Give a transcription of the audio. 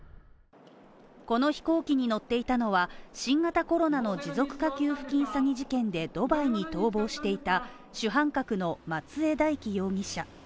この飛行機に乗っていたのは新型コロナの持続化給付金詐欺事件でドバイに逃亡していた主犯格の松江大樹容疑者。